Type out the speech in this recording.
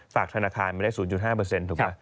ฝากธนาคารได้๐๕ถูกไหมคะ